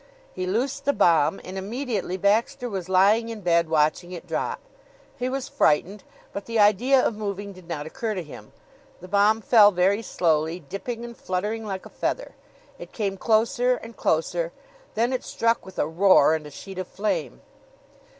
He loosed the bomb and immediately Baxter was lying in bed watching it drop. He was frightened, but the idea of moving did not occur to him. The bomb fell very slowly, dipping and fluttering like a feather. It came closer and closer. Then it struck with a roar and a sheet of flame.